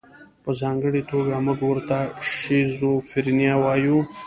په ځانګړې توګه موږ ورته شیزوفرنیا وایو.